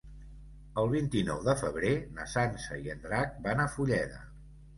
El vint-i-nou de febrer na Sança i en Drac van a Fulleda.